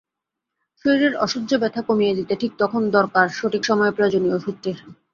শরীরের অসহ্য ব্যথা কমিয়ে দিতে ঠিক তখন দরকার সঠিক সময়ে প্রয়োজনীয় ওষুধটির।